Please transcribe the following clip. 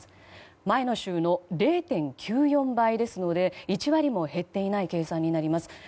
前の週の０．９４倍ですので１割も減っていない計算になります。